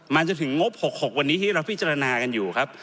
มันจะถึงงบ๖๖วันนี้ที่เราพิจารณากันอยู่ครับ